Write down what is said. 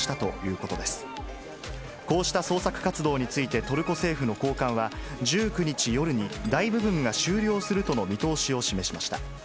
こうした捜索活動について、トルコ政府の高官は、１９日夜に大部分が終了するとの見通しを示しました。